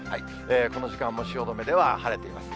この時間も汐留では晴れています。